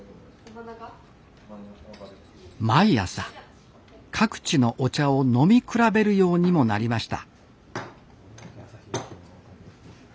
毎朝各地のお茶を飲み比べるようにもなりました